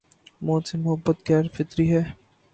موت سے محبت غیر فطری ہے۔